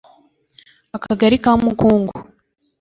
akagari ka Mukungu